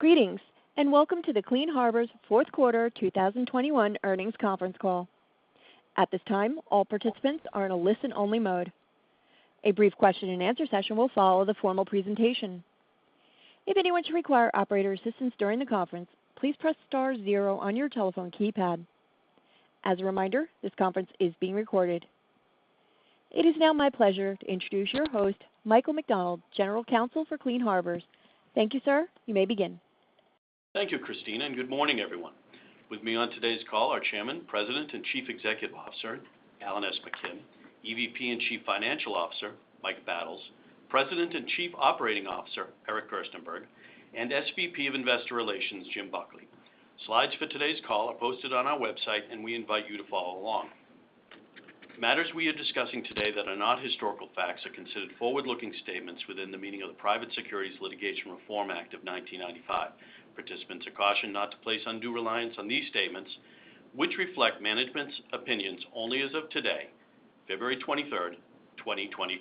Greetings, and welcome to the Clean Harbors fourth quarter 2021 earnings conference call. At this time, all participants are in a listen-only mode. A brief question-and-answer session will follow the formal presentation. If anyone should require operator assistance during the conference, please press *0 on your telephone keypad. As a reminder, this conference is being recorded. It is now my pleasure to introduce your host, Michael McDonald, General Counsel for Clean Harbors. Thank you, sir. You may begin. Thank you, Christine, and good morning, everyone. With me on today's call are Chairman, President, and Chief Executive Officer, Alan S. McKim; EVP and Chief Financial Officer, Mike Battles; President and Chief Operating Officer, Eric Gerstenberg; and SVP of Investor Relations, Jim Buckley. Slides for today's call are posted on our website, and we invite you to follow along. Matters we are discussing today that are not historical facts are considered forward-looking statements within the meaning of the Private Securities Litigation Reform Act of 1995. Participants are cautioned not to place undue reliance on these statements, which reflect management's opinions only as of today, February 23, 2022.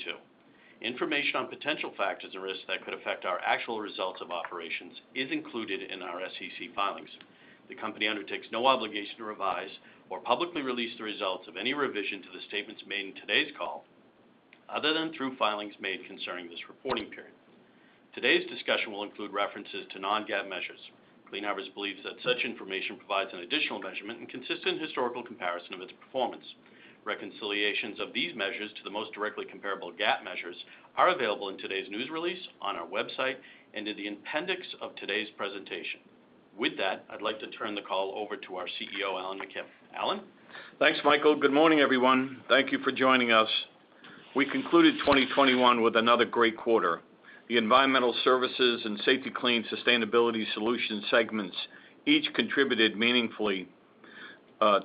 Information on potential factors and risks that could affect our actual results of operations is included in our SEC filings. The company undertakes no obligation to revise or publicly release the results of any revision to the statements made in today's call, other than through filings made concerning this reporting period. Today's discussion will include references to non-GAAP measures. Clean Harbors believes that such information provides an additional measurement and consistent historical comparison of its performance. Reconciliations of these measures to the most directly comparable GAAP measures are available in today's news release on our website and in the appendix of today's presentation. With that, I'd like to turn the call over to our CEO, Alan S. McKim. Alan? Thanks, Michael. Good morning, everyone. Thank you for joining us. We concluded 2021 with another great quarter. The Environmental Services and Safety-Kleen Sustainability Solutions segments each contributed meaningfully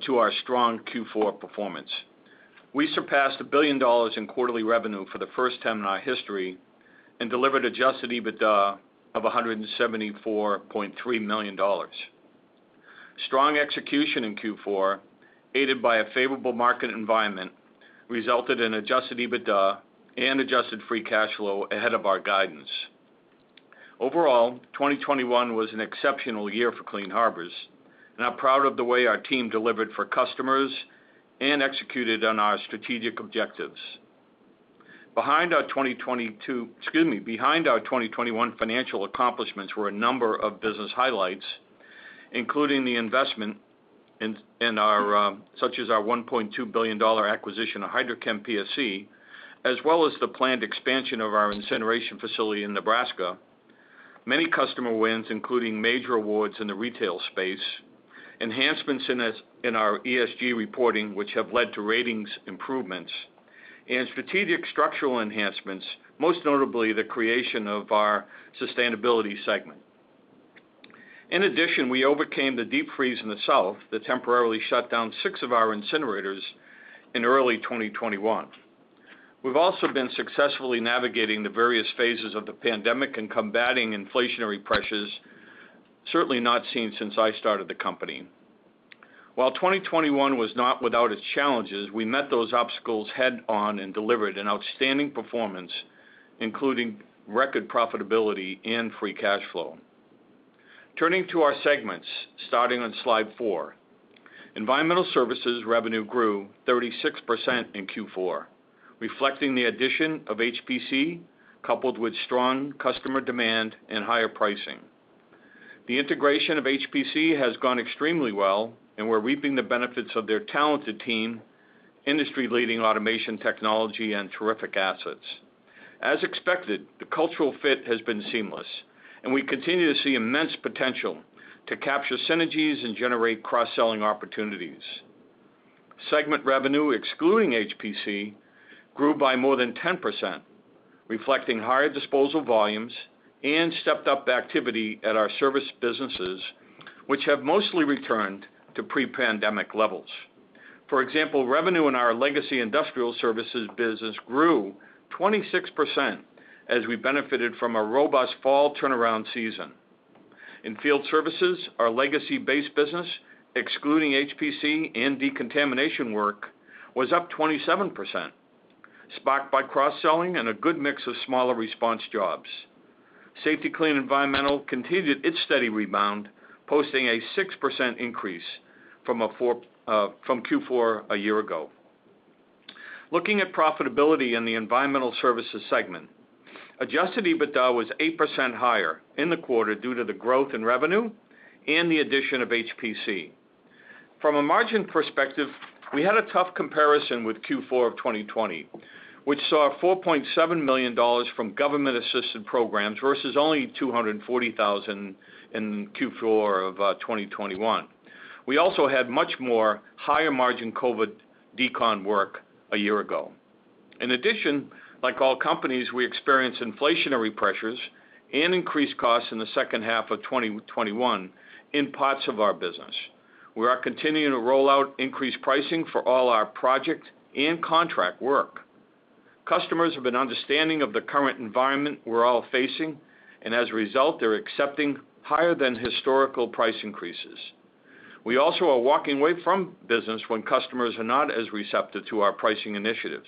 to our strong Q4 performance. We surpassed $1 billion in quarterly revenue for the first time in our history and delivered adjusted EBITDA of $174.3 million. Strong execution in Q4, aided by a favorable market environment, resulted in adjusted EBITDA and adjusted free cash flow ahead of our guidance. Overall, 2021 was an exceptional year for Clean Harbors, and I'm proud of the way our team delivered for customers and executed on our strategic objectives. Excuse me. Behind our 2021 financial accomplishments were a number of business highlights, including the investment such as our $1.2 billion acquisition of HydroChemPSC, as well as the planned expansion of our incineration facility in Nebraska. Many customer wins, including major awards in the retail space, enhancements in our ESG reporting, which have led to ratings improvements, and strategic structural enhancements, most notably the creation of our sustainability segment. In addition, we overcame the deep freeze in the South that temporarily shut down six of our incinerators in early 2021. We've also been successfully navigating the various phases of the pandemic and combating inflationary pressures certainly not seen since I started the company. While 2021 was not without its challenges, we met those obstacles head-on and delivered an outstanding performance, including record profitability and free cash flow. Turning to our segments, starting on slide 4. Environmental Services revenue grew 36% in Q4, reflecting the addition of HPC, coupled with strong customer demand and higher pricing. The integration of HPC has gone extremely well, and we're reaping the benefits of their talented team, industry-leading automation technology, and terrific assets. As expected, the cultural fit has been seamless, and we continue to see immense potential to capture synergies and generate cross-selling opportunities. Segment revenue excluding HPC grew by more than 10%, reflecting higher disposal volumes and stepped up activity at our service businesses, which have mostly returned to pre-pandemic levels. For example, revenue in our legacy industrial services business grew 26% as we benefited from a robust fall turnaround season. In field services, our legacy-based business, excluding HPC and decontamination work, was up 27%, sparked by cross-selling and a good mix of smaller response jobs. Safety-Kleen Environmental continued its steady rebound, posting a 6% increase from Q4 a year ago. Looking at profitability in the Environmental Services segment, adjusted EBITDA was 8% higher in the quarter due to the growth in revenue and the addition of HPC. From a margin perspective, we had a tough comparison with Q4 of 2020, which saw $4.7 million from government-assisted programs versus only $240,000 in Q4 of 2021. We also had much more higher-margin COVID decon work a year ago. In addition, like all companies, we experienced inflationary pressures and increased costs in the second half of 2021 in parts of our business. We are continuing to roll out increased pricing for all our project and contract work. Customers have been understanding of the current environment we're all facing, and as a result, they're accepting higher than historical price increases. We also are walking away from business when customers are not as receptive to our pricing initiatives.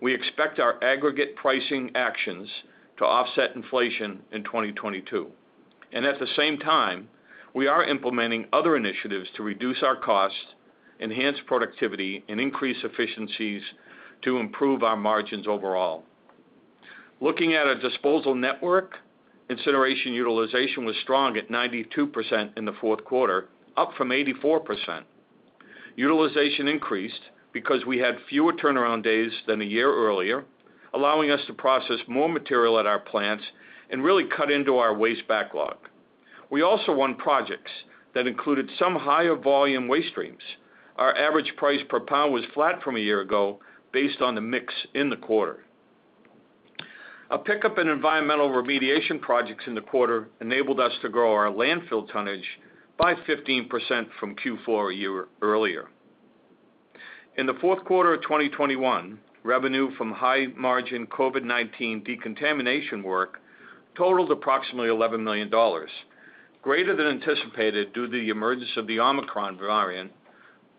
We expect our aggregate pricing actions to offset inflation in 2022. At the same time, we are implementing other initiatives to reduce our costs, enhance productivity, and increase efficiencies to improve our margins overall. Looking at our disposal network, incineration utilization was strong at 92% in the fourth quarter, up from 84%. Utilization increased because we had fewer turnaround days than a year earlier, allowing us to process more material at our plants and really cut into our waste backlog. We also won projects that included some higher volume waste streams. Our average price per pound was flat from a year ago based on the mix in the quarter. A pickup in environmental remediation projects in the quarter enabled us to grow our landfill tonnage by 15% from Q4 a year earlier. In the fourth quarter of 2021, revenue from high margin COVID-19 decontamination work totaled approximately $11 million, greater than anticipated due to the emergence of the Omicron variant,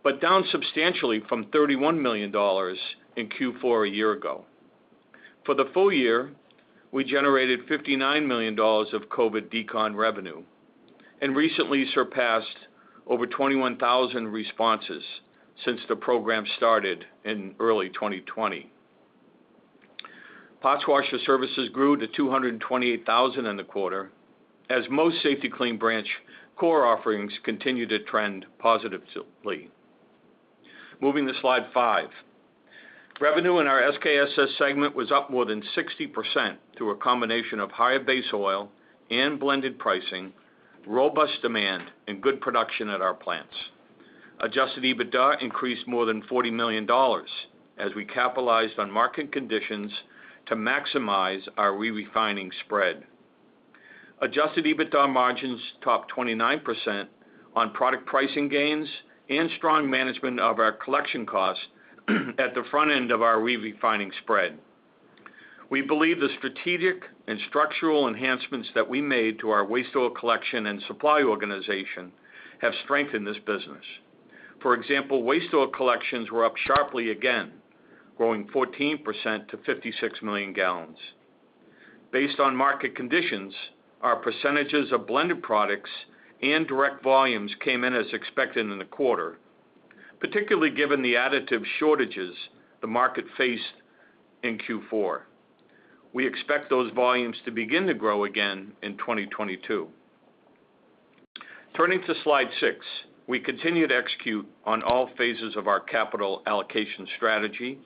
but down substantially from $31 million in Q4 a year ago. For the full year, we generated $59 million of COVID decon revenue and recently surpassed over 21,000 responses since the program started in early 2020. Parts washer services grew to 228,000 in the quarter as most Safety-Kleen branch core offerings continued to trend positively. Moving to slide 5. Revenue in our SKSS segment was up more than 60% through a combination of higher base oil and blended pricing, robust demand, and good production at our plants. Adjusted EBITDA increased more than $40 million as we capitalized on market conditions to maximize our re-refining spread. Adjusted EBITDA margins topped 29% on product pricing gains and strong management of our collection costs at the front end of our re-refining spread. We believe the strategic and structural enhancements that we made to our waste oil collection and supply organization have strengthened this business. For example, waste oil collections were up sharply again, growing 14% to 56 million gallons. Based on market conditions, our percentages of blended products and direct volumes came in as expected in the quarter, particularly given the additive shortages the market faced in Q4. We expect those volumes to begin to grow again in 2022. Turning to slide 6. We continued to execute on all phases of our capital allocation strategy.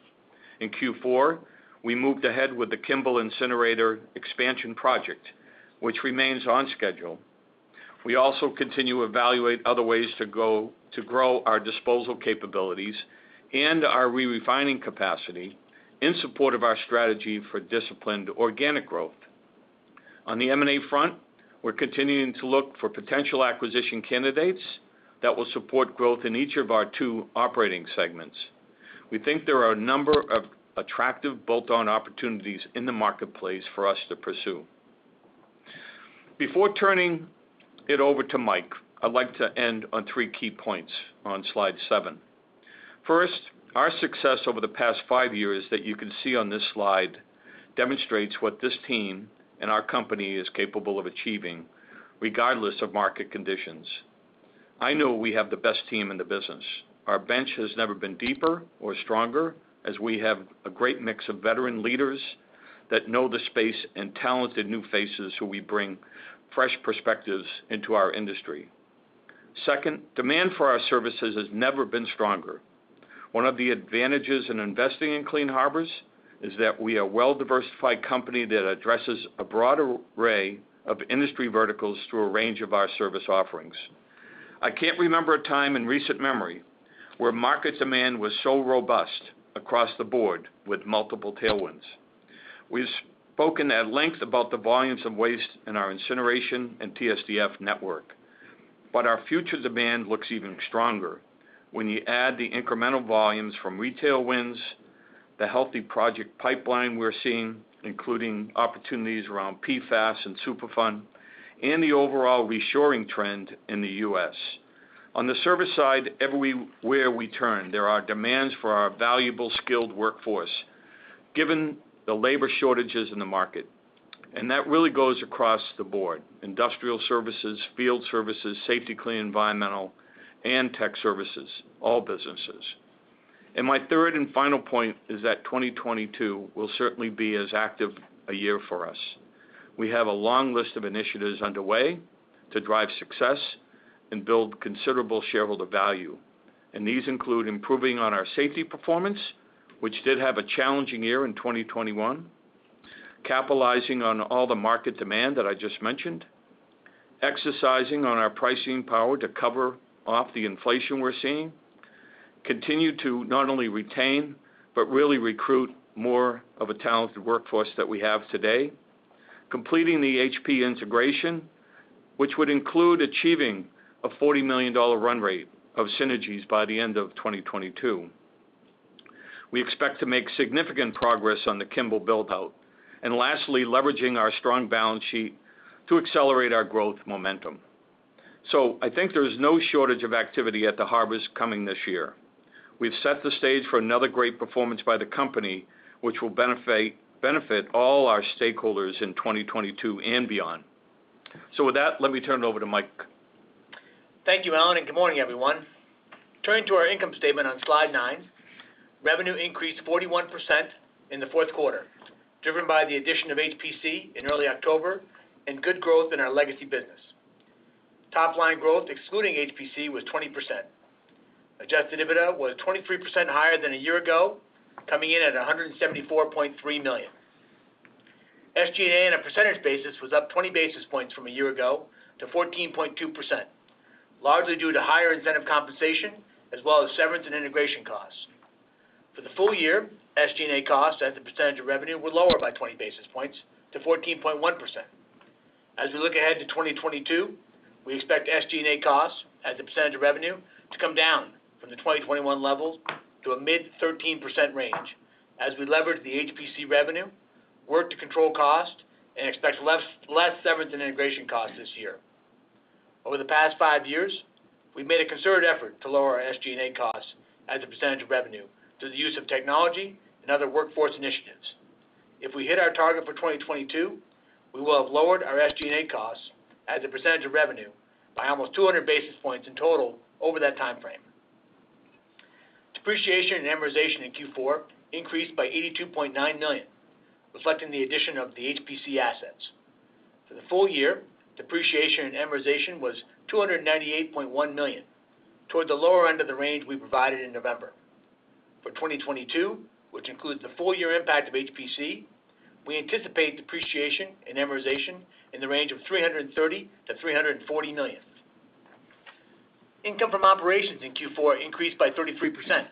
In Q4, we moved ahead with the Kimball Incinerator Expansion project, which remains on schedule. We also continue to evaluate other ways to grow our disposal capabilities and our rerefining capacity in support of our strategy for disciplined organic growth. On the M&A front, we're continuing to look for potential acquisition candidates that will support growth in each of our two operating segments. We think there are a number of attractive bolt-on opportunities in the marketplace for us to pursue. Before turning it over to Mike, I'd like to end on three key points on slide 7. First, our success over the past five years that you can see on this slide demonstrates what this team and our company is capable of achieving regardless of market conditions. I know we have the best team in the business. Our bench has never been deeper or stronger as we have a great mix of veteran leaders that know the space and talented new faces who we bring fresh perspectives into our industry. Second, demand for our services has never been stronger. One of the advantages in investing in Clean Harbors is that we are a well-diversified company that addresses a broad array of industry verticals through a range of our service offerings. I can't remember a time in recent memory where market demand was so robust across the board with multiple tailwinds. We've spoken at length about the volumes of waste in our incineration and TSDF network, but our future demand looks even stronger when you add the incremental volumes from retail wins, the healthy project pipeline we're seeing, including opportunities around PFAS and Superfund, and the overall reshoring trend in the U.S. On the service side, everywhere we turn, there are demands for our valuable skilled workforce, given the labor shortages in the market. That really goes across the board, industrial services, field services, Safety-Kleen environmental, and tech services, all businesses. My third and final point is that 2022 will certainly be as active a year for us. We have a long list of initiatives underway to drive success and build considerable shareholder value. These include improving on our safety performance, which did have a challenging year in 2021, capitalizing on all the market demand that I just mentioned, exercising on our pricing power to cover off the inflation we're seeing, continue to not only retain but really recruit more of a talented workforce that we have today, completing the HPC integration, which would include achieving a $40 million run rate of synergies by the end of 2022. We expect to make significant progress on the Kimball build-out, and lastly, leveraging our strong balance sheet to accelerate our growth momentum. I think there is no shortage of activity at Clean Harbors coming this year. We've set the stage for another great performance by the company, which will benefit all our stakeholders in 2022 and beyond. With that, let me turn it over to Mike. Thank you, Alan, and good morning, everyone. Turning to our income statement on slide nine. Revenue increased 41% in the fourth quarter, driven by the addition of HPC in early October and good growth in our legacy business. Top line growth, excluding HPC, was 20%. Adjusted EBITDA was 23% higher than a year ago, coming in at $174.3 million. SG&A on a percentage basis was up 20 basis points from a year ago to 14.2%, largely due to higher incentive compensation as well as severance and integration costs. For the full year, SG&A costs as a percentage of revenue were lower by 20 basis points to 14.1%. As we look ahead to 2022, we expect SG&A costs as a percentage of revenue to come down from the 2021 levels to a mid-13% range as we leverage the HPC revenue, work to control cost, and expect less severance and integration costs this year. Over the past 5 years, we've made a concerted effort to lower our SG&A costs as a percentage of revenue through the use of technology and other workforce initiatives. If we hit our target for 2022, we will have lowered our SG&A costs as a percentage of revenue by almost 200 basis points in total over that timeframe. Depreciation and amortization in Q4 increased by $82.9 million, reflecting the addition of the HPC assets. For the full year, depreciation and amortization was $298.1 million, toward the lower end of the range we provided in November. For 2022, which includes the full year impact of HPC, we anticipate depreciation and amortization in the range of $330 million-$340 million. Income from operations in Q4 increased by 33%,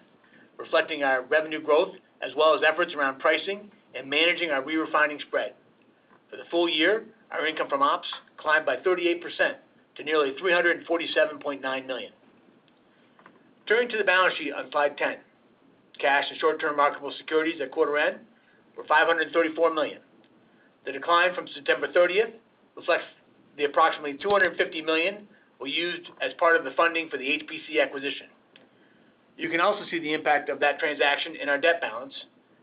reflecting our revenue growth as well as efforts around pricing and managing our re-refining spread. For the full year, our income from ops climbed by 38% to nearly $347.9 million. Turning to the balance sheet on slide 10. Cash to short-term marketable securities at quarter end were $534 million. The decline from September 30 reflects the approximately $250 million we used as part of the funding for the HPC acquisition. You can also see the impact of that transaction in our debt balance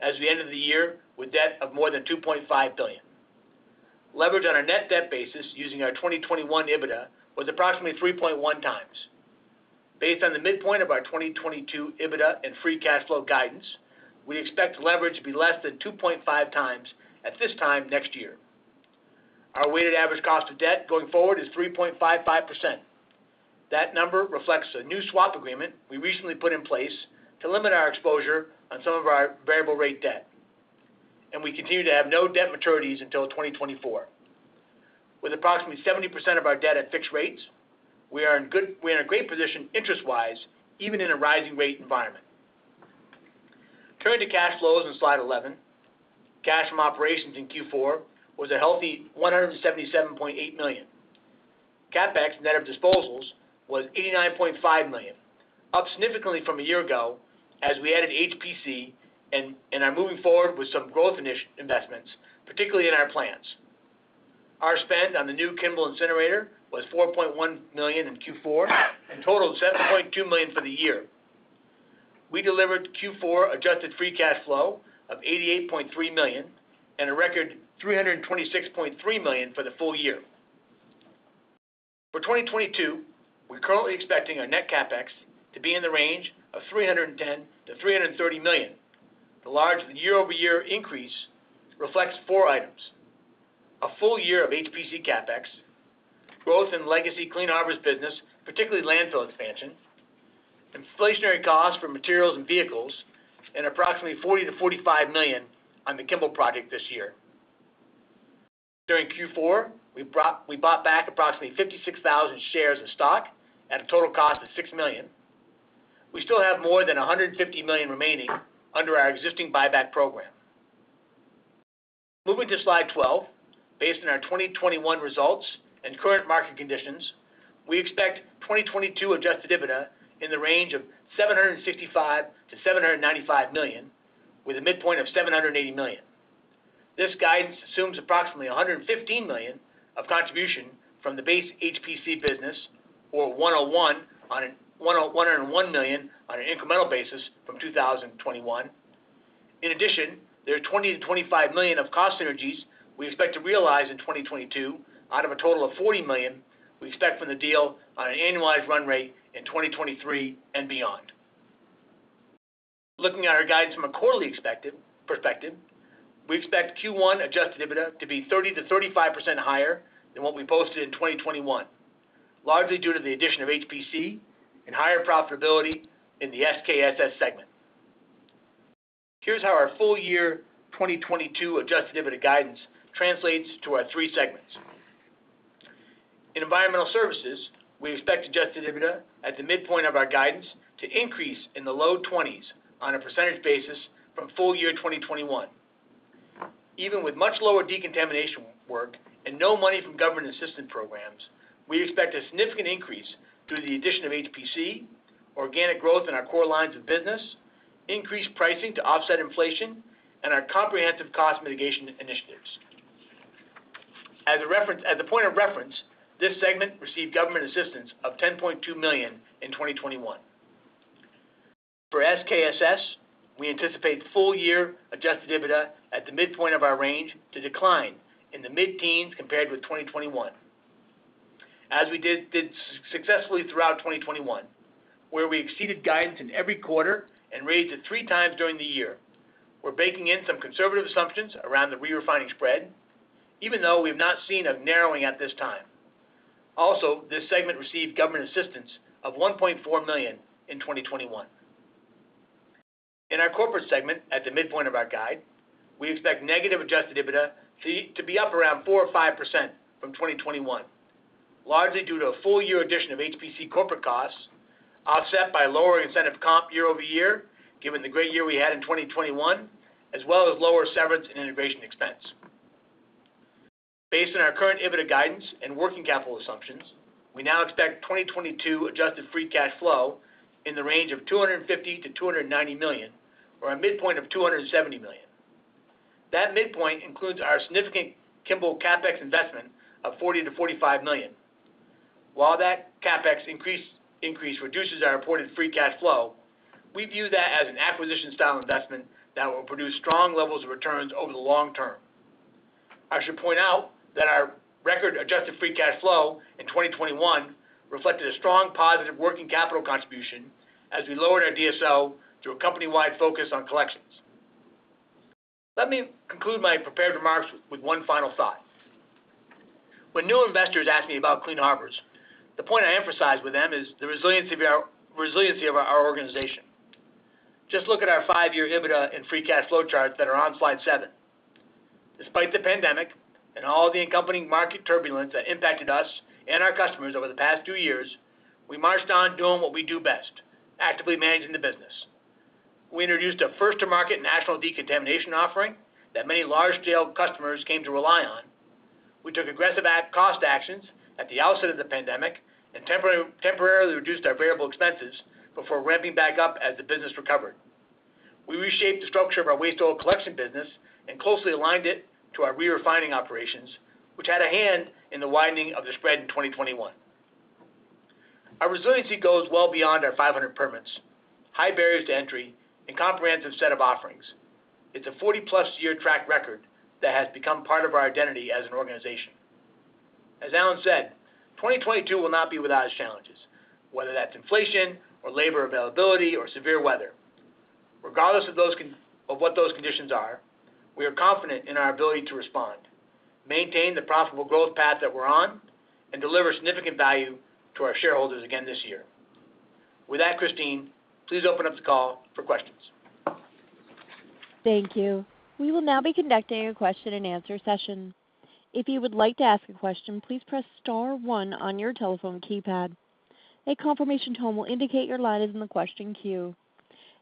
at the end of the year with debt of more than $2.5 billion. Leverage on our net debt basis using our 2021 EBITDA was approximately 3.1 times. Based on the midpoint of our 2022 EBITDA and free cash flow guidance, we expect leverage to be less than 2.5 times at this time next year. Our weighted average cost of debt going forward is 3.55%. That number reflects a new swap agreement we recently put in place to limit our exposure on some of our variable rate debt, and we continue to have no debt maturities until 2024. With approximately 70% of our debt at fixed rates, we're in a great position interest-wise, even in a rising rate environment. Turning to cash flows on slide 11. Cash from operations in Q4 was a healthy $177.8 million. CapEx net of disposals was $89.5 million, up significantly from a year ago as we added HPC and are moving forward with some growth investments, particularly in our plans. Our spend on the new Kimball incinerator was $4.1 million in Q4 and totaled $7.2 million for the year. We delivered Q4 adjusted free cash flow of $88.3 million and a record $326.3 million for the full year. For 2022, we're currently expecting our net CapEx to be in the range of $310 million-$330 million. The large year-over-year increase reflects four items. A full year of HPC CapEx, growth in legacy Clean Harbors business, particularly landfill expansion, inflationary costs for materials and vehicles, and approximately $40 million-$45 million on the Kimball project this year. During Q4, we bought back approximately 56,000 shares of stock at a total cost of $6 million. We still have more than $150 million remaining under our existing buyback program. Moving to slide 12. Based on our 2021 results and current market conditions, we expect 2022 adjusted EBITDA in the range of $765 million-$795 million, with a midpoint of $780 million. This guidance assumes approximately $115 million of contribution from the base HPC business or $101 million on an incremental basis from 2021. In addition, there are $20 million-$25 million of cost synergies we expect to realize in 2022 out of a total of $40 million we expect from the deal on an annualized run rate in 2023 and beyond. Looking at our guidance from a quarterly perspective, we expect Q1 adjusted EBITDA to be 30%-35% higher than what we posted in 2021, largely due to the addition of HPC and higher profitability in the SKSS segment. Here's how our full year 2022 adjusted EBITDA guidance translates to our three segments. In Environmental Services, we expect adjusted EBITDA at the midpoint of our guidance to increase in the low 20s% from full year 2021. Even with much lower decontamination work and no money from government assistance programs, we expect a significant increase through the addition of HPC, organic growth in our core lines of business, increased pricing to offset inflation and our comprehensive cost mitigation initiatives. As a reference, as a point of reference, this segment received government assistance of $10.2 million in 2021. For SKSS, we anticipate full-year adjusted EBITDA at the midpoint of our range to decline in the mid-teens% compared with 2021. As we did successfully throughout 2021, where we exceeded guidance in every quarter and raised it 3 times during the year. We're baking in some conservative assumptions around the re-refining spread, even though we've not seen a narrowing at this time. Also, this segment received government assistance of $1.4 million in 2021. In our corporate segment, at the midpoint of our guide, we expect negative adjusted EBITDA to be up around 4% or 5% from 2021, largely due to a full-year addition of HPC corporate costs, offset by lower incentive comp year over year, given the great year we had in 2021, as well as lower severance and integration expense. Based on our current EBITDA guidance and working capital assumptions, we now expect 2022 adjusted free cash flow in the range of $250 million-$290 million or a midpoint of $270 million. That midpoint includes our significant Kimball CapEx investment of $40 million-$45 million. While that CapEx increase reduces our reported free cash flow, we view that as an acquisition-style investment that will produce strong levels of returns over the long term. I should point out that our record adjusted free cash flow in 2021 reflected a strong positive working capital contribution as we lowered our DSO through a company-wide focus on collections. Let me conclude my prepared remarks with one final thought. When new investors ask me about Clean Harbors, the point I emphasize with them is the resiliency of our organization. Just look at our 5-year EBITDA and free cash flow charts that are on slide 7. Despite the pandemic and all the accompanying market turbulence that impacted us and our customers over the past 2 years, we marched on doing what we do best, actively managing the business. We introduced a first-to-market national decontamination offering that many large-scale customers came to rely on. We took aggressive cost actions at the outset of the pandemic and temporarily reduced our variable expenses before ramping back up as the business recovered. We reshaped the structure of our waste oil collection business and closely aligned it to our re-refining operations, which had a hand in the widening of the spread in 2021. Our resiliency goes well beyond our 500 permits, high barriers to entry, and comprehensive set of offerings. It's a 40-plus year track record that has become part of our identity as an organization. As Alan said, 2022 will not be without its challenges, whether that's inflation or labor availability or severe weather. Regardless of what those conditions are, we are confident in our ability to respond, maintain the profitable growth path that we're on, and deliver significant value to our shareholders again this year. With that, Christine, please open up the call for questions. Thank you. We will now be conducting a question-and-answer session. If you would like to ask a question, please press *1 on your telephone keypad. A confirmation tone will indicate your line is in the question queue.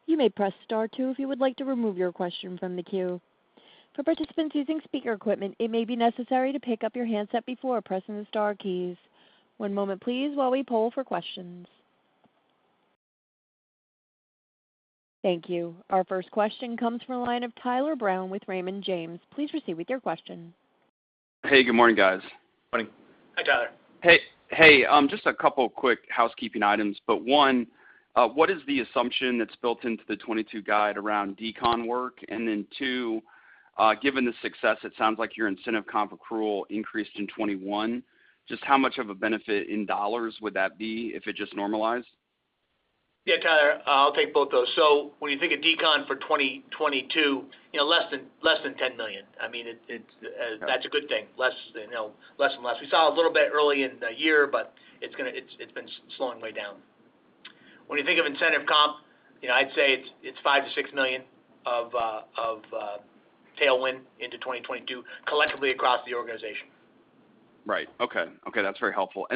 You may press *2 if you would like to remove your question from the queue. For participants using speaker equipment, it may be necessary to pick up your handset before pressing the star keys. One moment please, while we poll for questions. Thank you. Our first question comes from the line of Tyler Brown with Raymond James. Please proceed with your question. Hey, good morning, guys. Morning. Hi, Tyler. Just a couple quick housekeeping items. One, what is the assumption that's built into the 2022 guide around decon work? Two, given the success, it sounds like your incentive comp accrual increased in 2021. Just how much of a benefit in dollars would that be if it just normalized? Yeah, Tyler, I'll take both those. When you think of decon for 2022, you know, less than $10 million. I mean, that's a good thing. Less than, you know, less and less. We saw a little bit early in the year, but it's gonna. It's been slowing way down. When you think of incentive comp, you know, I'd say it's $5 million-$6 million of tailwind into 2022, collectively across the organization. Right. Okay. Okay, that's very helpful.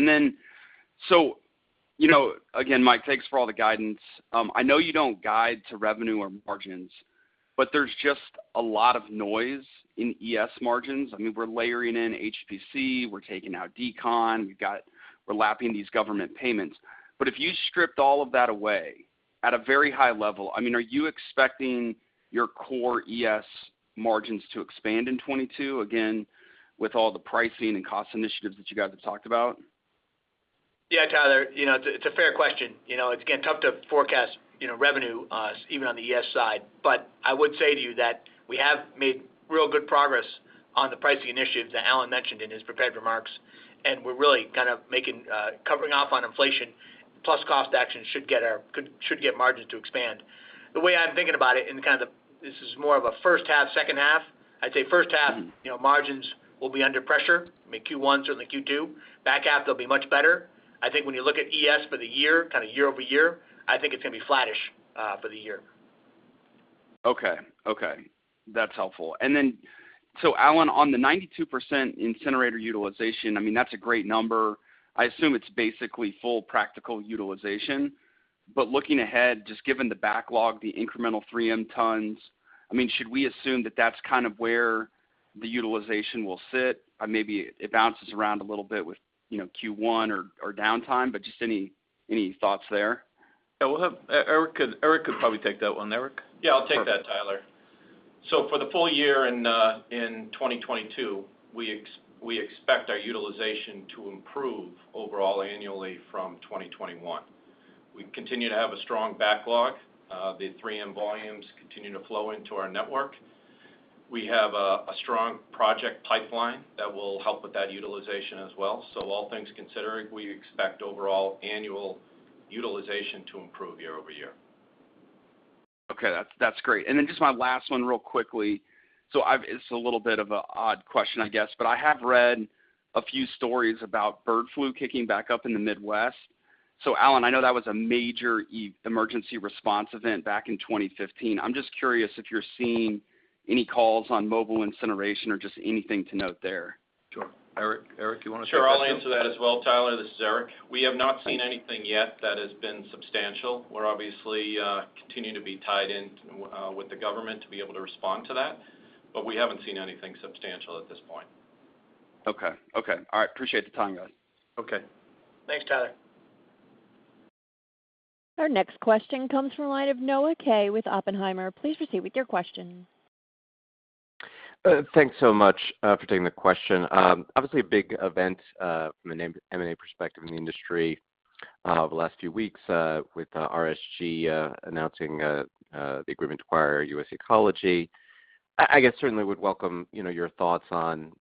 You know, again, Mike, thanks for all the guidance. I know you don't guide to revenue or margins, but there's just a lot of noise in ES margins. I mean, we're layering in HPC, we're taking out decon, we're lapping these government payments. If you stripped all of that away, at a very high level, I mean, are you expecting your core ES margins to expand in 2022, again, with all the pricing and cost initiatives that you guys have talked about? Yeah, Tyler, you know, it's a fair question. You know, it's again tough to forecast, you know, revenue, even on the ES side. But I would say to you that we have made real good progress on the pricing initiatives that Alan mentioned in his prepared remarks, and we're really kind of covering off on inflation plus cost actions should get margins to expand. The way I'm thinking about it in kind of the first half, second half. I'd say first half, you know, margins will be under pressure. I mean, Q1, certainly Q2. Back half, they'll be much better. I think when you look at ES for the year, kind of year-over-year, I think it's gonna be flattish, for the year. Okay. That's helpful. Alan, on the 92% incinerator utilization, I mean, that's a great number. I assume it's basically full practical utilization. Looking ahead, just given the backlog, the incremental 3 million tons, I mean, should we assume that that's kind of where The utilization will sit, maybe it bounces around a little bit with, you know, Q1 or downtime, but just any thoughts there? Yeah. Eric could probably take that one. Eric? Yeah, I'll take that, Tyler. For the full year in 2022, we expect our utilization to improve overall annually from 2021. We continue to have a strong backlog. The 3M volumes continue to flow into our network. We have a strong project pipeline that will help with that utilization as well. All things considering, we expect overall annual utilization to improve year-over-year. Okay. That's great. Just my last one real quickly. I've. It's a little bit of an odd question, I guess, but I have read a few stories about bird flu kicking back up in the Midwest. Alan, I know that was a major emergency response event back in 2015. I'm just curious if you're seeing any calls on mobile incineration or just anything to note there. Sure. Eric, you wanna take that one? Sure, I'll answer that as well, Tyler. This is Eric. We have not seen anything yet that has been substantial. We're obviously continuing to be tied in with the government to be able to respond to that, but we haven't seen anything substantial at this point. Okay. All right. Appreciate the time, guys. Okay. Thanks, Tyler. Our next question comes from the line of Noah Kaye with Oppenheimer. Please proceed with your question. Thanks so much for taking the question. Obviously a big event from an M&A perspective in the industry over the last few weeks with RSG announcing the agreement to acquire U.S. Ecology. I guess certainly would welcome, you know, your thoughts on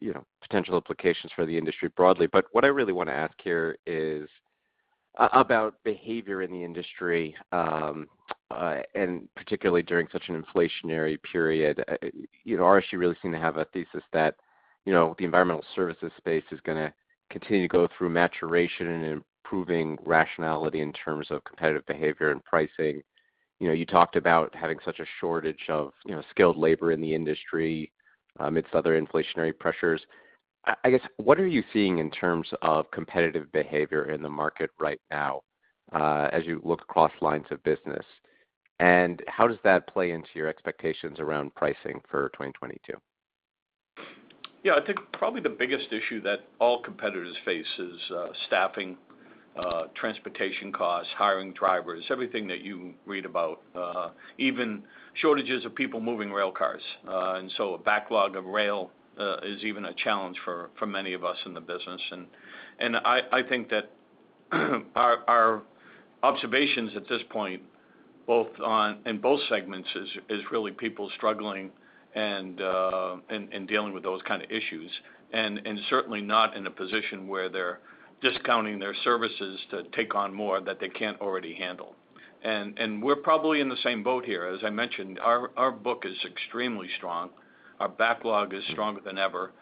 you know, potential applications for the industry broadly. What I really wanna ask here is about behavior in the industry and particularly during such an inflationary period. You know, RSG really seem to have a thesis that, you know, the environmental services space is gonna continue to go through maturation and improving rationality in terms of competitive behavior and pricing. You know, you talked about having such a shortage of, you know, skilled labor in the industry amidst other inflationary pressures. I guess, what are you seeing in terms of competitive behavior in the market right now, as you look across lines of business? How does that play into your expectations around pricing for 2022? Yeah. I think probably the biggest issue that all competitors face is staffing, transportation costs, hiring drivers, everything that you read about, even shortages of people moving rail cars. A backlog of rail is even a challenge for many of us in the business. I think that our observations at this point, both in both segments is really people struggling and dealing with those kind of issues, and certainly not in a position where they're discounting their services to take on more that they can't already handle. We're probably in the same boat here. As I mentioned, our book is extremely strong. Our backlog is stronger than ever.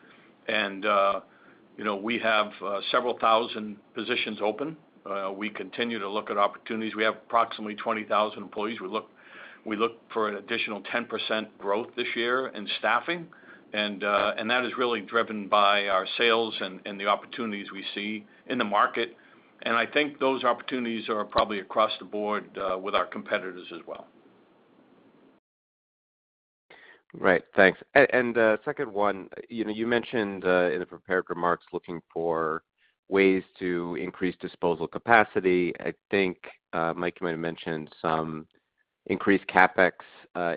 You know, we have several thousand positions open. We continue to look at opportunities. We have approximately 20,000 employees. We look for an additional 10% growth this year in staffing. That is really driven by our sales and the opportunities we see in the market. I think those opportunities are probably across the board with our competitors as well. Right. Thanks. A second one, you know, you mentioned in the prepared remarks, looking for ways to increase disposal capacity. I think, Mike, you might have mentioned some increased CapEx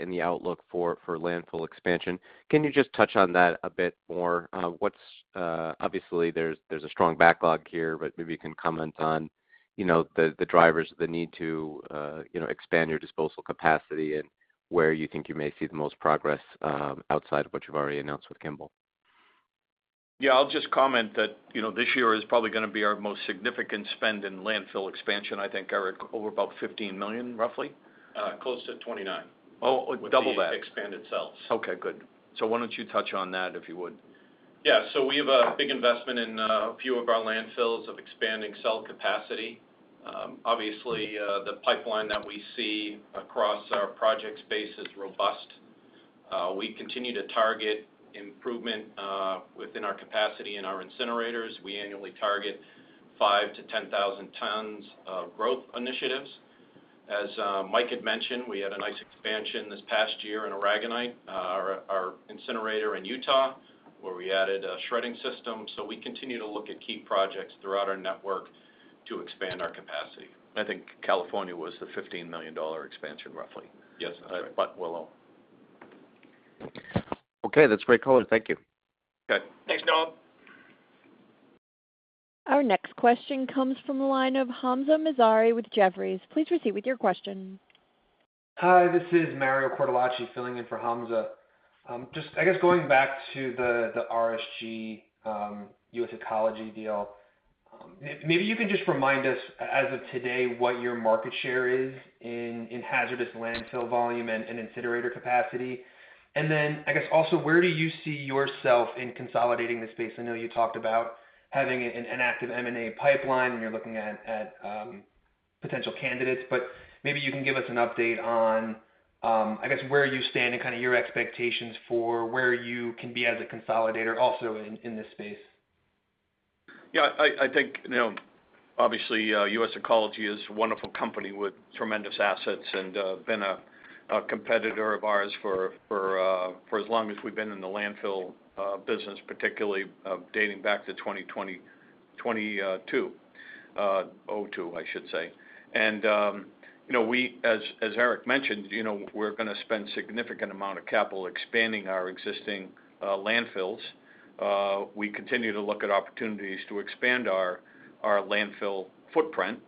in the outlook for landfill expansion. Can you just touch on that a bit more? What's, obviously, there's a strong backlog here, but maybe you can comment on, you know, the drivers, the need to, you know, expand your disposal capacity and where you think you may see the most progress outside of what you've already announced with Kimball. Yeah. I'll just comment that, you know, this year is probably gonna be our most significant spend in landfill expansion. I think, Eric, over about $15 million, roughly. Close to 29. Oh, double that. With the expanded cells. Okay, good. Why don't you touch on that, if you would? Yeah. We have a big investment in a few of our landfills of expanding cell capacity. Obviously, the pipeline that we see across our project space is robust. We continue to target improvement within our capacity in our incinerators. We annually target 5,000-10,000 tons of growth initiatives. As Mike had mentioned, we had a nice expansion this past year in Aragonite, our incinerator in Utah, where we added a shredding system. We continue to look at key projects throughout our network to expand our capacity. I think California was the $15 million expansion, roughly. Yes, that's right. Buttonwillow. Okay. That's great color. Thank you. Okay. Thanks, Noah. Our next question comes from the line of Hamzah Mazari with Jefferies. Please proceed with your question. Hi, this is Mario Cortellacci filling in for Hamzah. Just going back to the RSG US Ecology deal, maybe you can just remind us as of today what your market share is in hazardous landfill volume and incinerator capacity. Then I guess also, where do you see yourself in consolidating the space. I know you talked about having an active M&A pipeline, and you're looking at potential candidates, but maybe you can give us an update on where you stand and kind of your expectations for where you can be as a consolidator also in this space. I think, you know, obviously, US Ecology is a wonderful company with tremendous assets and been a competitor of ours for as long as we've been in the landfill business, particularly dating back to 2022. 2002, I should say. You know, as Eric mentioned, you know, we're gonna spend significant amount of capital expanding our existing landfills. We continue to look at opportunities to expand our landfill footprint.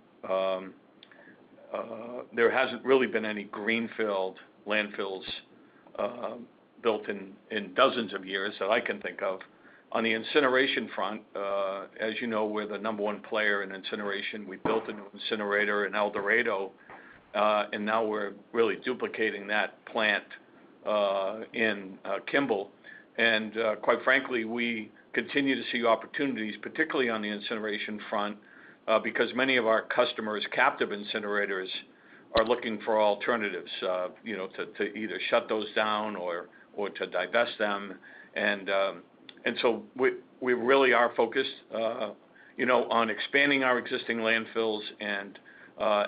There hasn't really been any greenfield landfills built in dozens of years that I can think of. On the incineration front, as you know, we're the number one player in incineration. We built a new incinerator in El Dorado, and now we're really duplicating that plant in Kimball. Quite frankly, we continue to see opportunities, particularly on the incineration front, because many of our customers' captive incinerators are looking for alternatives, you know, to either shut those down or to divest them. We really are focused, you know, on expanding our existing landfills and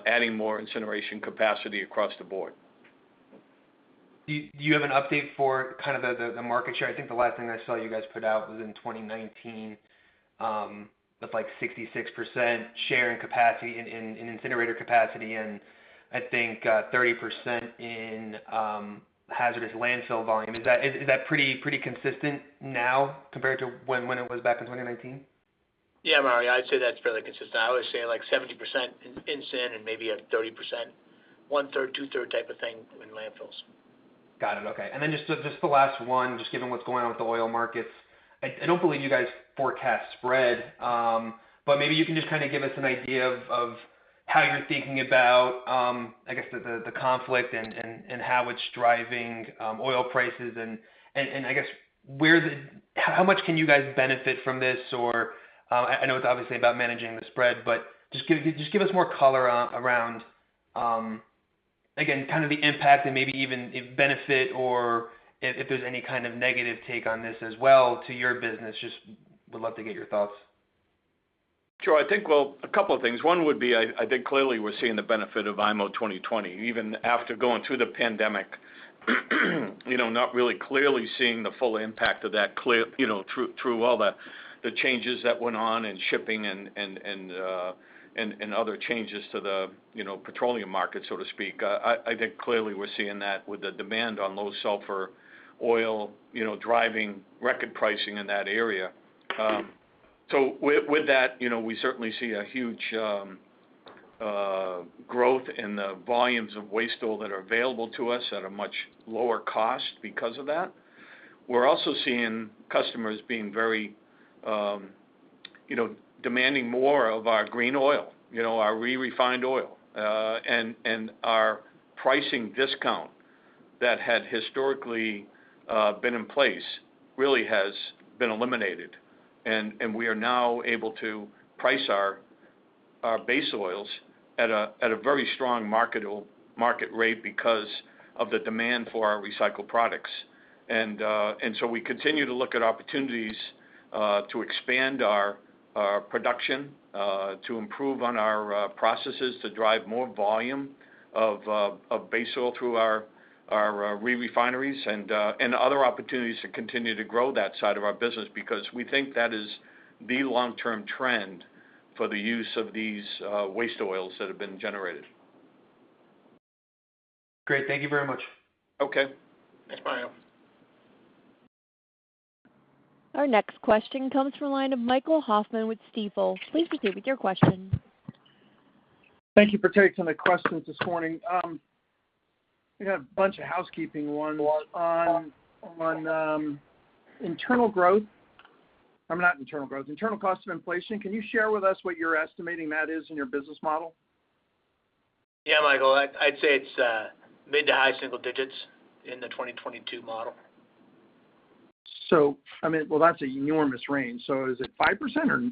adding more incineration capacity across the board. Do you have an update for kind of the market share? I think the last thing I saw you guys put out was in 2019, with like 66% share and capacity in incinerator capacity and I think 30% in hazardous landfill volume. Is that pretty consistent now compared to when it was back in 2019? Yeah, Mario, I'd say that's fairly consistent. I would say, like, 70% in incineration and maybe 30%, one-third, two-thirds type of thing in landfills. Got it. Okay. Just the last one, just given what's going on with the oil markets, I don't believe you guys forecast spread, but maybe you can just kind of give us an idea of how you're thinking about, I guess, the conflict and how it's driving oil prices and I guess how much can you guys benefit from this. Or, I know it's obviously about managing the spread, but just give us more color around, again, kind of the impact and maybe even if benefit or if there's any kind of negative take on this as well to your business. Just would love to get your thoughts. Sure. I think a couple of things. One would be, I think clearly we're seeing the benefit of IMO 2020, even after going through the pandemic, you know, not really clearly seeing the full impact of that clearly, you know, through all the changes that went on in shipping and other changes to the, you know, petroleum market, so to speak. I think clearly we're seeing that with the demand on low sulfur oil, you know, driving record pricing in that area. So with that, you know, we certainly see a huge growth in the volumes of waste oil that are available to us at a much lower cost because of that. We're also seeing customers being very, you know, demanding more of our green oil, you know, our re-refined oil. Our pricing discount that had historically been in place really has been eliminated. We are now able to price our base oils at a very strong market rate because of the demand for our recycled products. We continue to look at opportunities to expand our production to improve on our processes, to drive more volume of base oil through our re-refineries and other opportunities to continue to grow that side of our business, because we think that is the long-term trend for the use of these waste oils that have been generated. Great. Thank you very much. Okay. Thanks, Mario. Our next question comes from the line of Michael Hoffman with Stifel. Please proceed with your question. Thank you for taking some of the questions this morning. I got a bunch of housekeeping ones. Internal cost of inflation, can you share with us what you're estimating that is in your business model? Yeah, Michael, I'd say it's mid to high single digits in the 2022 model. I mean, well, that's an enormous range. Is it 5% or 8%?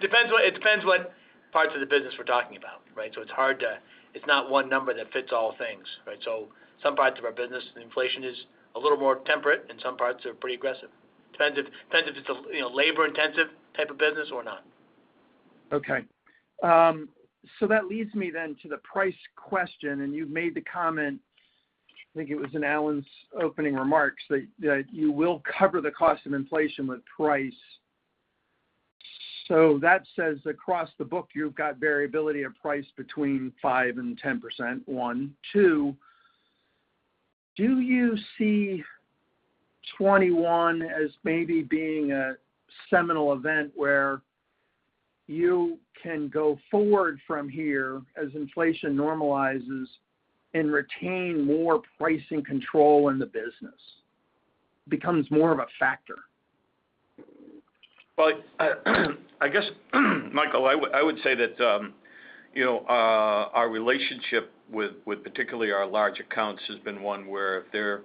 Depends what parts of the business we're talking about, right? It's hard to. It's not one number that fits all things, right? Some parts of our business, inflation is a little more temperate, and some parts are pretty aggressive. Depends if it's a, you know, labor-intensive type of business or not. That leads me then to the price question. You've made the comment, I think it was in Alan's opening remarks, that you will cover the cost of inflation with price. That says across the book, you've got variability of price between 5%-10%, one. Two, do you see 2021 as maybe being a seminal event where you can go forward from here as inflation normalizes and retain more pricing control in the business? Becomes more of a factor. Well, I guess, Michael, I would say that, you know, our relationship with particularly our large accounts has been one where if they're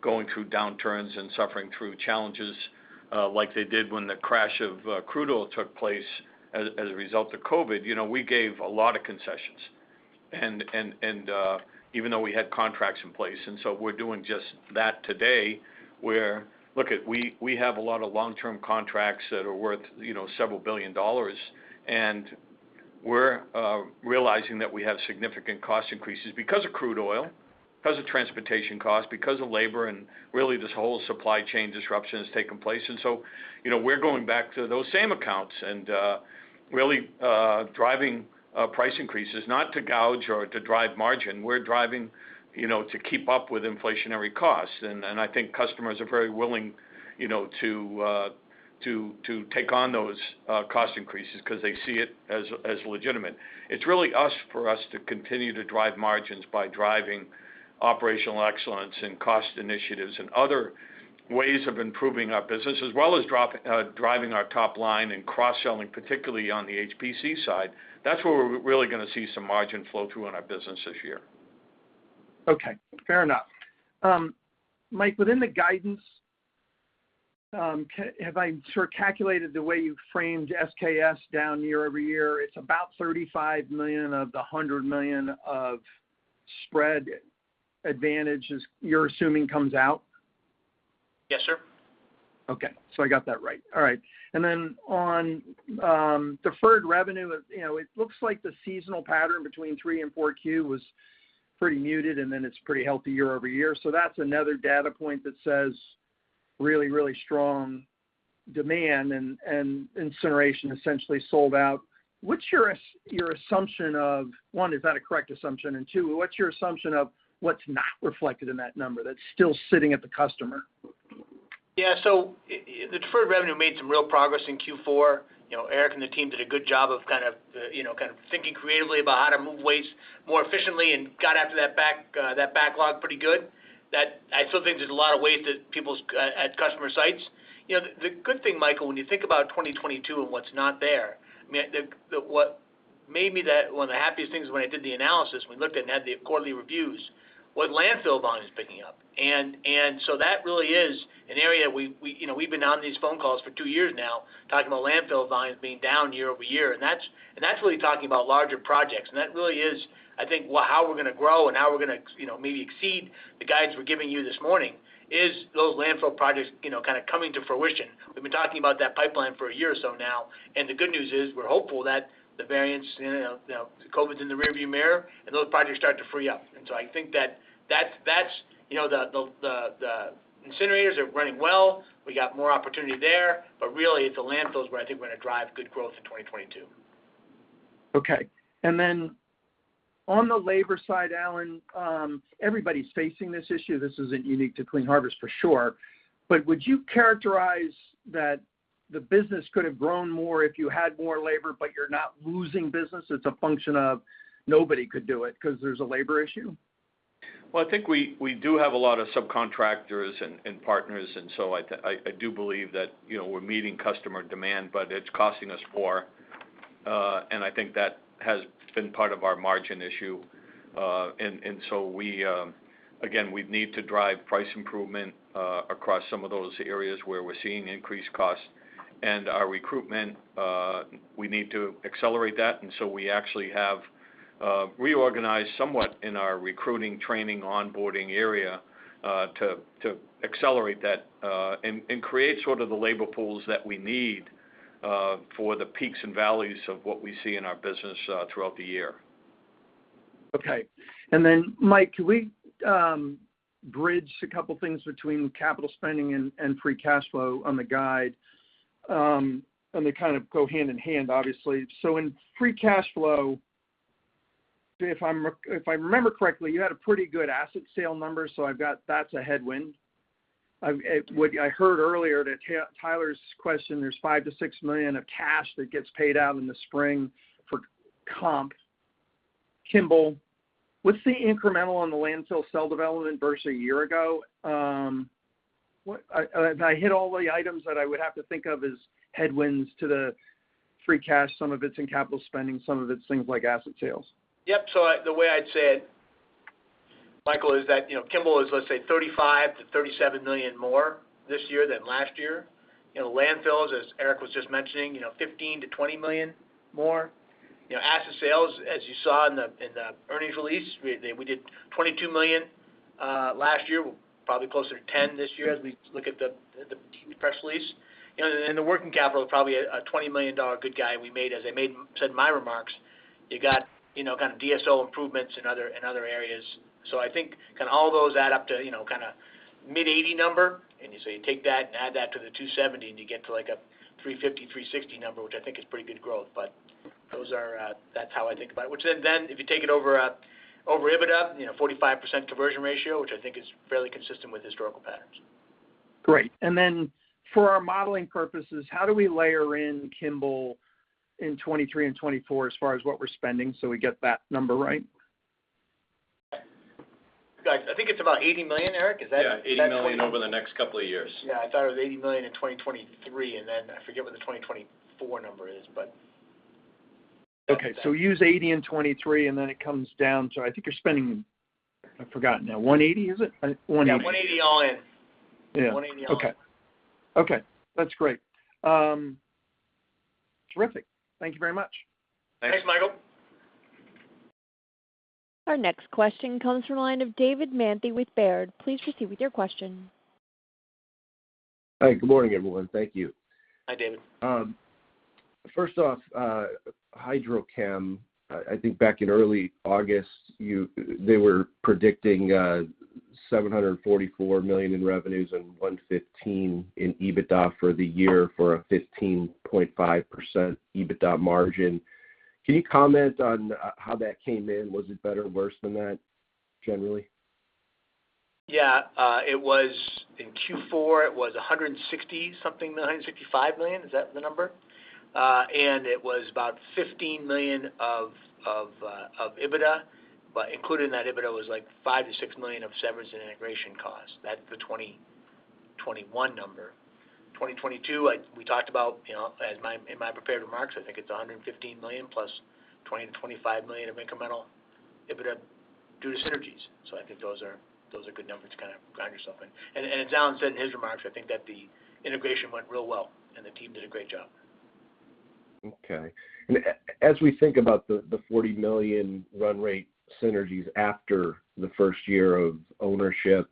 going through downturns and suffering through challenges, like they did when the crash of crude oil took place as a result of COVID, you know, we gave a lot of concessions. Even though we had contracts in place, and so we're doing just that today, where we have a lot of long-term contracts that are worth, you know, $several billion, and we're realizing that we have significant cost increases because of crude oil, because of transportation costs, because of labor, and really this whole supply chain disruption has taken place. You know, we're going back to those same accounts and really driving price increases, not to gouge or to drive margin. We're driving, you know, to keep up with inflationary costs. I think customers are very willing, you know, to take on those cost increases because they see it as legitimate. It's really us, for us to continue to drive margins by driving operational excellence and cost initiatives and other ways of improving our business, as well as driving our top line and cross-selling, particularly on the HPC side. That's where we're really gonna see some margin flow through in our business this year. Okay. Fair enough. Mike, within the guidance, have I sort of calculated the way you framed SKSS down year-over-year, it's about $35 million of the $100 million spread advantage you're assuming comes out? Yes, sir. Okay. I got that right. All right. Then on deferred revenue, you know, it looks like the seasonal pattern between 3 and 4Q was pretty muted, and it's pretty healthy year-over-year. That's another data point that says really, really strong demand and incineration essentially sold out. What's your assumption of, one, is that a correct assumption? And two, what's your assumption of what's not reflected in that number that's still sitting at the customer? The deferred revenue made some real progress in Q4. You know, Eric and the team did a good job of kind of, you know, kind of thinking creatively about how to move waste more efficiently and got after that backlog pretty good. I still think there's a lot of waste at people's at customer sites. You know, the good thing, Michael, when you think about 2022 and what's not there, I mean, what made me that. One of the happiest things when I did the analysis, when we looked at and had the quarterly reviews, was landfill volume is picking up. That really is an area we. You know, we've been on these phone calls for two years now talking about landfill volumes being down year-over-year. That's really talking about larger projects. That really is, I think, well, how we're gonna grow and how we're gonna, you know, maybe exceed the guidance we're giving you this morning, is those landfill projects, you know, kind of coming to fruition. We've been talking about that pipeline for a year or so now. The good news is we're hopeful that the variants, you know, now COVID's in the rearview mirror, and those projects are starting to free up. I think that's, you know, the incinerators are running well. We got more opportunity there. But really, it's the landfills where I think we're gonna drive good growth in 2022. Okay. Then on the labor side, Alan, everybody's facing this issue. This isn't unique to Clean Harbors for sure. Would you characterize that the business could have grown more if you had more labor, but you're not losing business, it's a function of nobody could do it because there's a labor issue? Well, I think we do have a lot of subcontractors and partners. I do believe that, you know, we're meeting customer demand, but it's costing us more. I think that has been part of our margin issue. We need to drive price improvement across some of those areas where we're seeing increased costs. Our recruitment, we need to accelerate that. We actually have reorganized somewhat in our recruiting, training, onboarding area to accelerate that and create sort of the labor pools that we need for the peaks and valleys of what we see in our business throughout the year. Okay. Mike, can we bridge a couple things between capital spending and free cash flow on the guide? They kind of go hand in hand, obviously. In free cash flow, if I remember correctly, you had a pretty good asset sale number, so I've got, that's a headwind. What I heard earlier to Tyler's question, there's $5 million-$6 million of cash that gets paid out in the spring for comp. Kimball, what's the incremental on the landfill cell development versus a year ago? Did I hit all the items that I would have to think of as headwinds to the free cash, some of it's in capital spending, some of it's things like asset sales? Yep, the way I'd say it, Michael, is that, you know, Kimball is, let's say, $35 million-$37 million more this year than last year. You know, landfills, as Eric was just mentioning, you know, $15 million-$20 million more. You know, asset sales, as you saw in the earnings release, we did $22 million last year. We're probably closer to $10 million this year as we look at the press release. You know, the working capital, probably a $20 million good guide we made, as I said in my remarks. You got, you know, kind of DSO improvements in other areas. I think kind of all those add up to, you know, kinda mid-80 number. You take that and add that to the 270, and you get to like a 350, 360 number, which I think is pretty good growth. That's how I think about it, which then if you take it over EBITDA, you know, 45% conversion ratio, which I think is fairly consistent with historical patterns. Great. Then for our modeling purposes, how do we layer in Kimball in 2023 and 2024 as far as what we're spending so we get that number right? Guys, I think it's about $80 million, Eric. Is that? Yeah. $80 million over the next couple of years. Yeah. I thought it was $80 million in 2023, and then I forget what the 2024 number is, but. Use $80 in 2023, and then it comes down to, I think you're spending, I've forgotten now. $180, is it? $180. Yeah. 180 all in. Yeah. 180 all in. Okay. That's great. Terrific. Thank you very much. Thanks, Michael. Our next question comes from the line of David Manthey with Baird. Please proceed with your question. Hi, good morning, everyone. Thank you. Hi, David. First off, HydroChemPSC, I think back in early August, they were predicting $744 million in revenues and $115 million in EBITDA for the year for a 15.5% EBITDA margin. Can you comment on how that came in? Was it better or worse than that generally? Yeah. In Q4, it was $160-something million, $65 million. Is that the number? And it was about $15 million of EBITDA. But including that EBITDA was, like, $5 million-$6 million of severance and integration costs. That's the 2020-2021 number. 2022, we talked about, you know, as in my prepared remarks, I think it's $115 million plus 20-25 million of incremental EBITDA due to synergies. So I think those are good numbers to kind of ground yourself in. As Alan said in his remarks, I think that the integration went real well, and the team did a great job. Okay. As we think about the $40 million run rate synergies after the first year of ownership,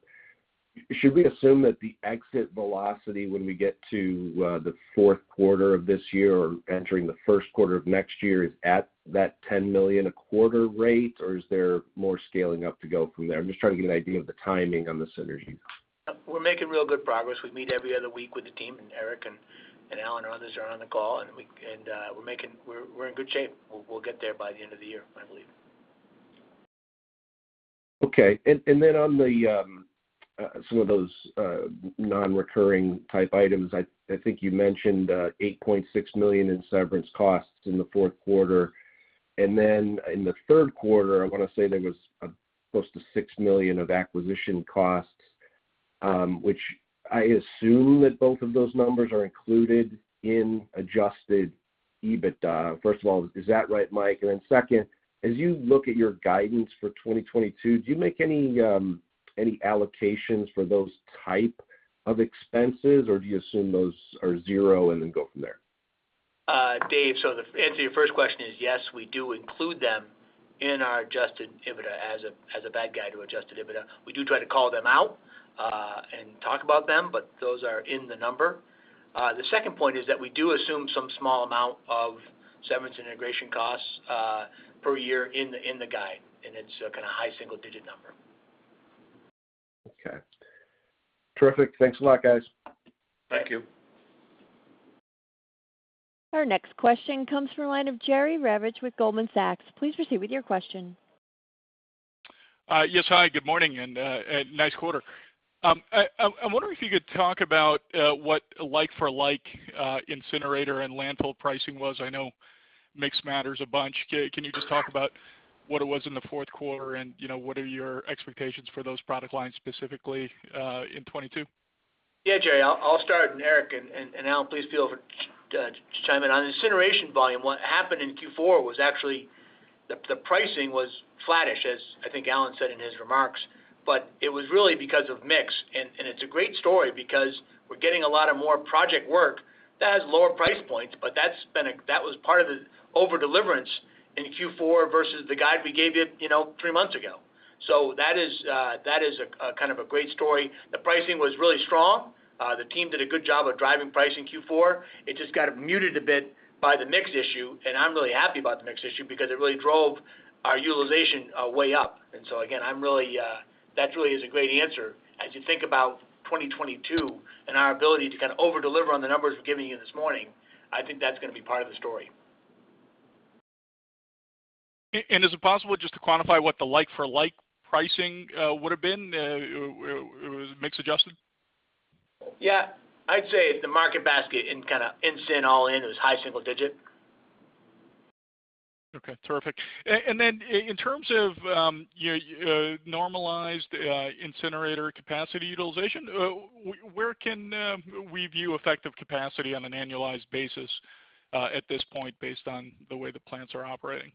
should we assume that the exit velocity when we get to the fourth quarter of this year or entering the first quarter of next year is at that $10 million a quarter rate, or is there more scaling up to go from there? I'm just trying to get an idea of the timing on the synergies. We're making real good progress. We meet every other week with the team, and Eric and Alan and others are on the call, and we're in good shape. We'll get there by the end of the year, I believe. On some of those non-recurring type items, I think you mentioned $8.6 million in severance costs in the fourth quarter. In the third quarter, I want to say there was close to $6 million of acquisition costs, which I assume that both of those numbers are included in adjusted EBITDA. First of all, is that right, Mike? Second, as you look at your guidance for 2022, do you make any allocations for those type of expenses, or do you assume those are zero and then go from there? Dave, the answer to your first question is yes, we do include them in our adjusted EBITDA as an add-back to adjusted EBITDA. We do try to call them out and talk about them, but those are in the number. The second point is that we do assume some small amount of severance and integration costs per year in the guide, and it's a kind of high single-digit number. Okay. Terrific. Thanks a lot, guys. Thank you. Our next question comes from the line of Jerry Revich with Goldman Sachs. Please proceed with your question. Yes, hi, good morning, and nice quarter. I wonder if you could talk about what like for like incinerator and landfill pricing was. I know mix matters a bunch. Can you just talk about what it was in the fourth quarter and, you know, what are your expectations for those product lines, specifically, in 2022? Yeah, Jerry, I'll start, and Eric and Alan, please feel free to chime in. On the incineration volume, what happened in Q4 was actually the pricing was flattish, as I think Alan said in his remarks. It was really because of mix. It's a great story because we're getting a lot more project work that has lower price points, but that was part of the overdelivery in Q4 versus the guide we gave you know, three months ago. That is kind of a great story. The pricing was really strong. The team did a good job of driving price in Q4. It just got muted a bit by the mix issue, and I'm really happy about the mix issue because it really drove our utilization way up. Again, that really is a great answer. As you think about 2022 and our ability to kind of over-deliver on the numbers we're giving you this morning, I think that's gonna be part of the story. Is it possible just to quantify what the like for like pricing would've been with mix adjusted? Yeah. I'd say the market basket in, kinda incin all in was high single digit. Okay, terrific. In terms of your normalized incinerator capacity utilization, where can we view effective capacity on an annualized basis at this point based on the way the plants are operating?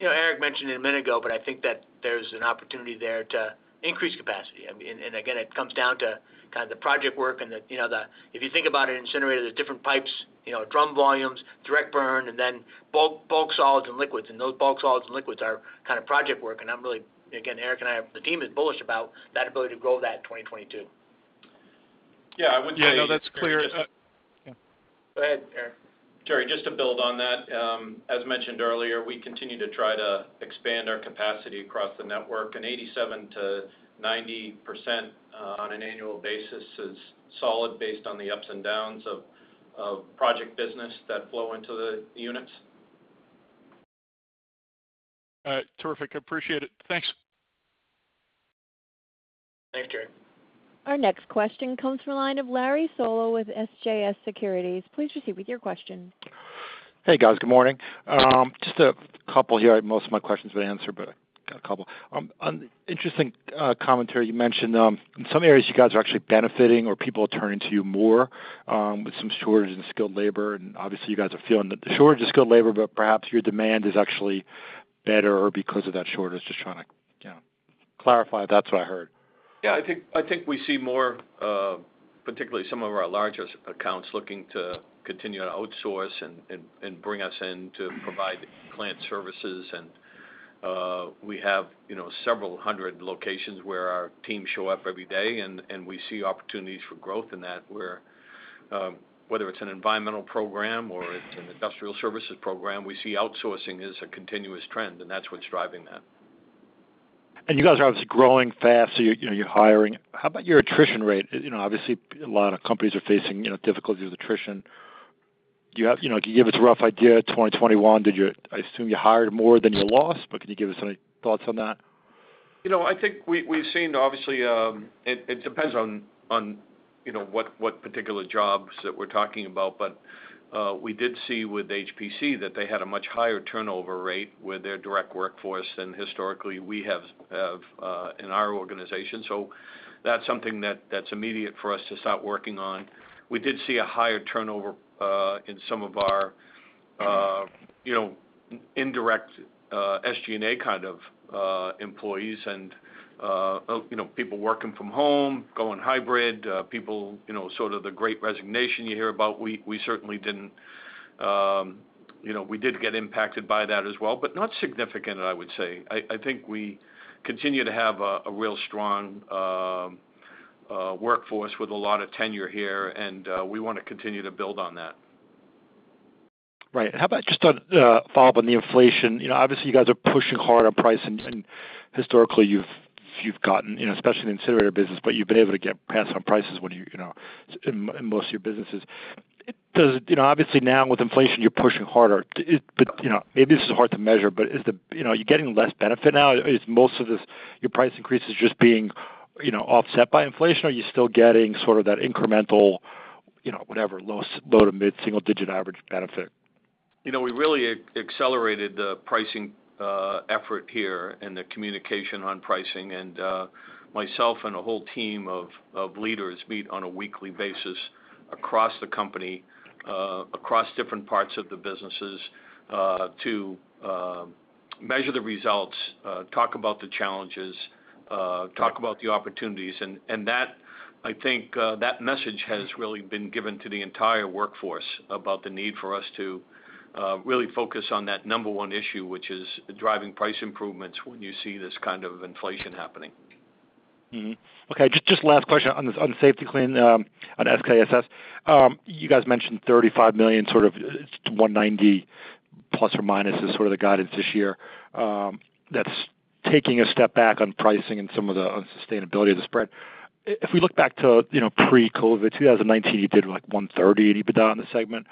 You know, Eric mentioned it a minute ago, but I think that there's an opportunity there to increase capacity. I mean, and again, it comes down to kind of the project work and the, you know. If you think about an incinerator, there's different pipes, you know, drum volumes, direct burn, and then bulk solids and liquids. Those bulk solids and liquids are kind of project work. I'm really, again, Eric and I, the team is bullish about that ability to grow that in 2022. Yeah, I would. Yeah. No, that's clear. Yeah. Go ahead, Eric. Jerry, just to build on that, as mentioned earlier, we continue to try to expand our capacity across the network, and 87%-90% on an annual basis is solid based on the ups and downs of project business that flow into the units. All right. Terrific. I appreciate it. Thanks. Thanks, Jerry. Our next question comes from the line of Larry Solow with CJS Securities. Please proceed with your question. Hey, guys. Good morning. Just a couple here. Most of my questions have been answered, but I got a couple. On interesting commentary, you mentioned in some areas, you guys are actually benefiting or people are turning to you more with some shortage in skilled labor, and obviously you guys are feeling the shortage of skilled labor, but perhaps your demand is actually better because of that shortage. Just trying to, you know, clarify that's what I heard. Yeah, I think we see more, particularly some of our largest accounts looking to continue to outsource and bring us in to provide client services. We have, you know, several hundred locations where our teams show up every day, and we see opportunities for growth in that where, whether it's an environmental program or it's an industrial services program, we see outsourcing as a continuous trend, and that's what's driving that. You guys are obviously growing fast, so you're, you know, you're hiring. How about your attrition rate? You know, obviously, a lot of companies are facing, you know, difficulties with attrition. Do you have you know, can you give us a rough idea, 2021, did you I assume you hired more than you lost, but can you give us any thoughts on that? You know, I think we've seen obviously, it depends on, you know, what particular jobs that we're talking about. We did see with HPC that they had a much higher turnover rate with their direct workforce than historically we have in our organization. That's something that's immediate for us to start working on. We did see a higher turnover in some of our, you know, indirect SG&A kind of employees and, you know, people working from home, going hybrid, people, you know, sort of the Great Resignation you hear about. We certainly didn't you know. We did get impacted by that as well, but not significant, I would say. I think we continue to have a real strong workforce with a lot of tenure here, and we wanna continue to build on that. Right. How about just a follow-up on the inflation? You know, obviously you guys are pushing hard on pricing, and historically you've gotten, you know, especially in the incinerator business, but you've been able to get pass on prices when you know, in most of your businesses. You know, obviously now with inflation you're pushing harder. You know, maybe this is hard to measure, but are you getting less benefit now? Is most of this, your price increases just being, you know, offset by inflation, or are you still getting sort of that incremental, you know, whatever, low to mid single digit average benefit? You know, we really accelerated the pricing effort here and the communication on pricing. Myself and a whole team of leaders meet on a weekly basis across the company, across different parts of the businesses, to measure the results, talk about the challenges, talk about the opportunities. That I think that message has really been given to the entire workforce about the need for us to really focus on that number one issue, which is driving price improvements when you see this kind of inflation happening. Okay, just last question on this, on Safety-Kleen, on SKSS. You guys mentioned $35 million, sort of $190 million plus or minus is sort of the guidance this year. That's taking a step back on pricing and some of the unsustainability of the spread. If we look back to, you know, pre-COVID, 2019, you did like $130 million EBITDA in the segment.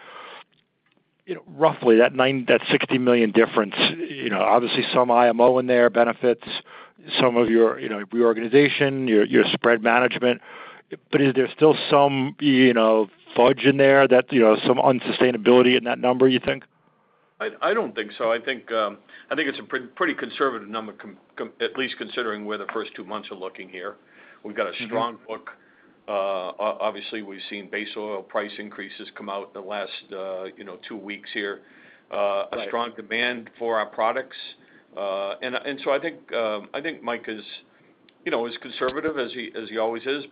You know, roughly that $60 million difference, you know, obviously some IMO in there benefits some of your, you know, reorganization, your spread management. But is there still some, you know, fudge in there that, you know, some unsustainability in that number, you think? I don't think so. I think it's a pretty conservative number, at least considering where the first two months are looking here. We've got a strong book. Obviously, we've seen base oil price increases come out in the last, you know, two weeks here. Right. A strong demand for our products. I think Mike is, you know, as conservative as he always is.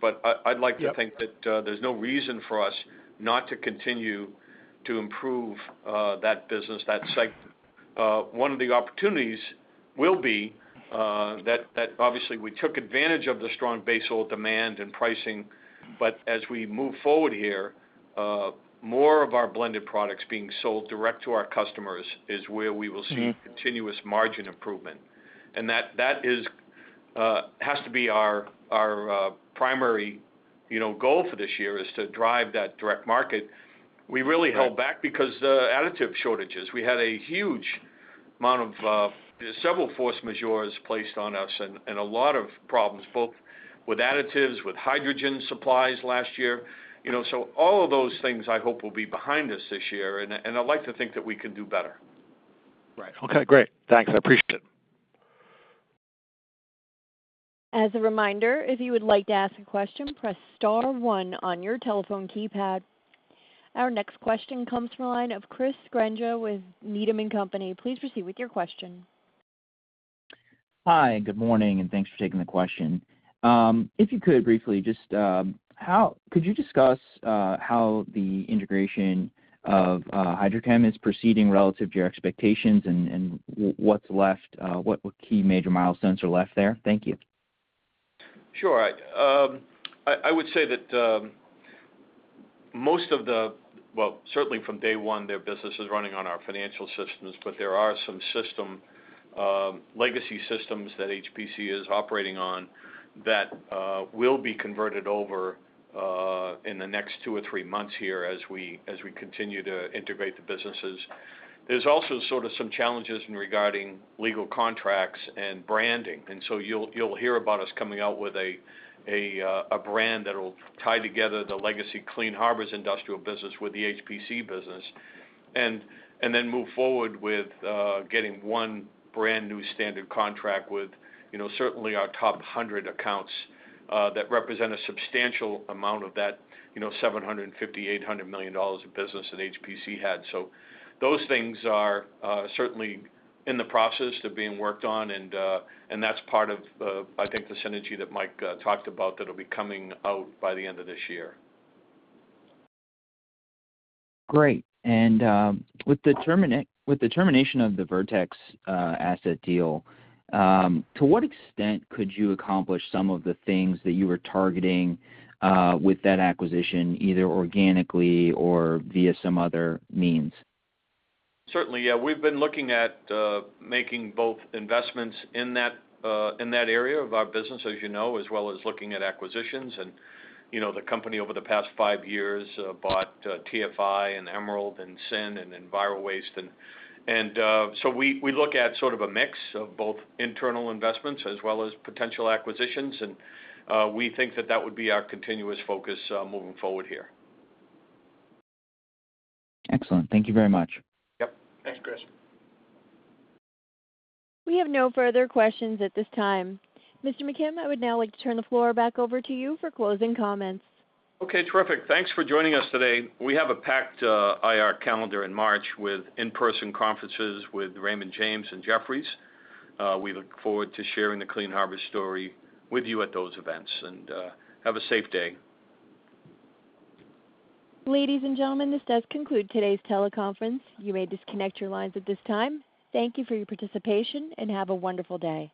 I'd like to think- Yep. That there's no reason for us not to continue to improve that business, that segment. One of the opportunities will be that obviously we took advantage of the strong base oil demand and pricing, but as we move forward here, more of our blended products being sold direct to our customers is where we will see. Mm-hmm. Continuous margin improvement. That has to be our primary, you know, goal for this year, is to drive that direct margin. We really held back because of additive shortages. We had a huge amount of several force majeure placed on us and a lot of problems both with additives, with hydrogen supplies last year. You know, all of those things I hope will be behind us this year and I'd like to think that we can do better. Right. Okay, great. Thanks, I appreciate it. As a reminder, if you would like to ask a question, press *1 on your telephone keypad. Our next question comes from the line of Jim Ricchiuti with Needham & Company. Please proceed with your question. Hi, good morning, and thanks for taking the question. If you could briefly just, could you discuss how the integration of HydroChemPSC is proceeding relative to your expectations and what's left, what key major milestones are left there? Thank you. Sure. I would say that certainly from day one, their business is running on our financial systems, but there are some legacy systems that HPC is operating on that will be converted over in the next two or three months here as we continue to integrate the businesses. There are also some challenges regarding legal contracts and branding. You'll hear about us coming out with a brand that will tie together the legacy Clean Harbors industrial business with the HPC business. Then move forward with getting one brand-new standard contract with, you know, certainly our top 100 accounts that represent a substantial amount of that, you know, $750-$800 million of business that HPC had. Those things are certainly in the process of being worked on and that's part of the synergy that Mike talked about that'll be coming out by the end of this year. Great. With the termination of the Vertex asset deal, to what extent could you accomplish some of the things that you were targeting with that acquisition, either organically or via some other means? Certainly, yeah. We've been looking at making both investments in that area of our business, as you know, as well as looking at acquisitions. You know, the company over the past five years bought TFI and Emerald and CEDA and then Envirowaste. We look at sort of a mix of both internal investments as well as potential acquisitions, and we think that would be our continuous focus moving forward here. Excellent. Thank you very much. Yep. Thanks, Chris. We have no further questions at this time. Mr. McKim, I would now like to turn the floor back over to you for closing comments. Okay, terrific. Thanks for joining us today. We have a packed IR calendar in March with in-person conferences with Raymond James and Jefferies. We look forward to sharing the Clean Harbors story with you at those events. Have a safe day. Ladies and gentlemen, this does conclude today's teleconference. You may disconnect your lines at this time. Thank you for your participation, and have a wonderful day.